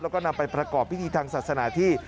แล้วก็นำไปประกอบพิธีทางศาสนาที่